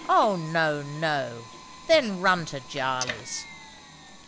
Oh; no, no! Then run to Jarley's."